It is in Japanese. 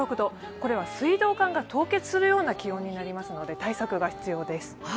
これは水道管が凍結するような気温になりますので対策が必要です。